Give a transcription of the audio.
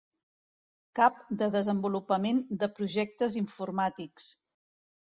Cap de Desenvolupament de Projectes Informàtics.